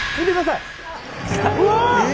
うわ！